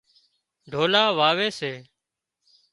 ڍولا واوي سي